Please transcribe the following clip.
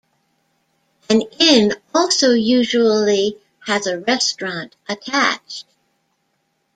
An inn also usually has a restaurant attached.